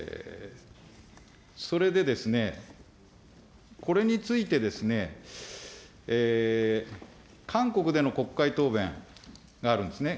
それでですね、これについてですね、韓国での国会答弁があるんですね。